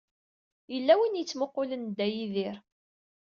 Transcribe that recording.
Yella win i yettmuqqulen Dda Yidir.